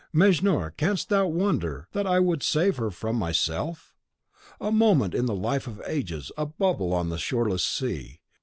Mejnour, canst thou wonder that I would save her from myself? A moment in the life of ages, a bubble on the shoreless sea.